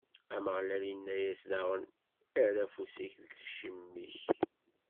Ameɣlal inna-as daɣen: Err afus-ik deg iciwi-k.